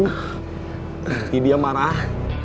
nanti dia marah